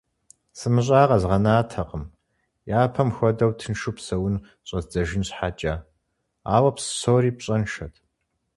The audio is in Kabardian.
СымыщӀа къэзгъэнатэкъым япэм хуэдэу тыншу псэун щӀэздзэжын щхьэкӀэ, ауэ псори пщӀэншэт.